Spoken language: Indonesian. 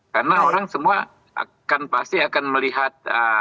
karena orang semua akan pasti akan melihat